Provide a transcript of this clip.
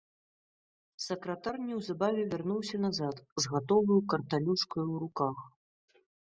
Сакратар неўзабаве вярнуўся назад з гатоваю карталюшкаю ў руках.